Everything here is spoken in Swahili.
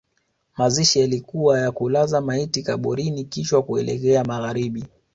Mazishi yalikuwa ya kulaza maiti kaburini kichwa kuelekea magharibi